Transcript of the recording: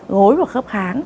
gối của khớp kháng